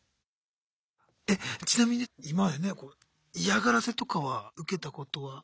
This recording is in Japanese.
えっちなみに今までね嫌がらせとかは受けたことは？